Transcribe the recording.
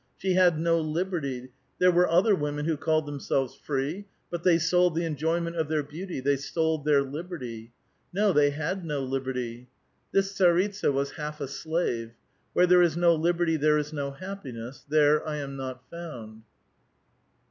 She had no libef ty. There were ottier women who called them selves free, but they sold the enjoyment of their beauty, they sold their liberty. No, they had no liberty. This tsaritsa was half a slave. Where there is no liberty there is no happiness, there I am not found.